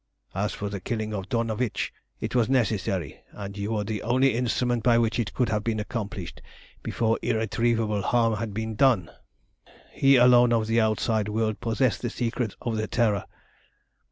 As for the killing of Dornovitch, it was necessary, and you were the only instrument by which it could have been accomplished before irretrievable harm had been done. "He alone of the outside world possessed the secret of the Terror.